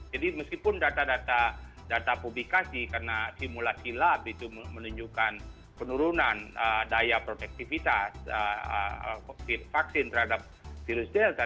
jadi meskipun data data publikasi karena simulasi lab itu menunjukkan penurunan daya protektivitas vaksin terhadap virus delta